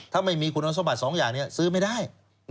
ถ้าไม่มีคุณสมบัติ๒อย่างนี้ซื้อไม่ได้